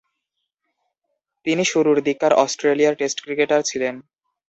তিনি শুরুর দিককার অস্ট্রেলিয়ার টেস্ট ক্রিকেটার ছিলেন।